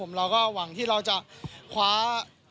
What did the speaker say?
ผมเราก็หวังที่เราจะคว้าเชิญครับ